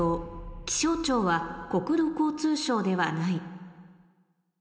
「気象庁は国土交通省ではない」